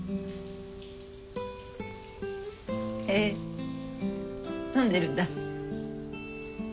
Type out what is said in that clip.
へえ飲んでるんだ。